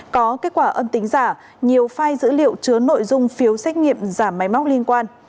có kết quả âm tính giả nhiều file dữ liệu chứa nội dung phiếu xét nghiệm giả máy móc liên quan